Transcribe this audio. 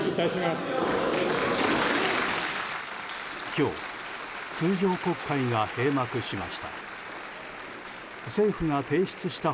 今日、通常国会が閉幕しました。